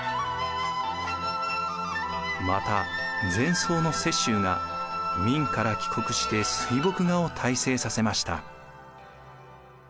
また禅僧の雪舟が明から帰国して水墨画を大成させました。